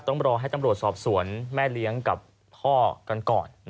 ต้องรอให้ตำรวจสอบสวนแม่เลี้ยงกับพ่อกันก่อน